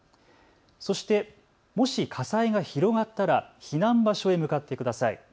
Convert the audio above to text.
そしてもし火災が広がったら避難場所へ向かってください。